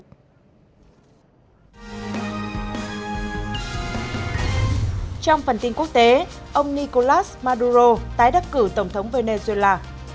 trong phần tin quốc tế ông nicolas maduro tái đắc cử tổng thống venezuela